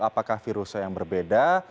apakah virusnya yang berbeda